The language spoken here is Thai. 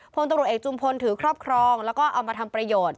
พลตำรวจเอกจุมพลถือครอบครองแล้วก็เอามาทำประโยชน์